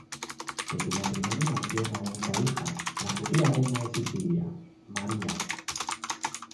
De su matrimonio nació una única hija, la futura reina de Sicilia, María.